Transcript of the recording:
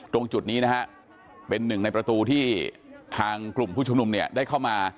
ตรงจุดนี้นะฮะเป็นหนึ่งในประตูที่ทางกลุ่มผู้ชุมนุมเนี่ยได้เข้ามา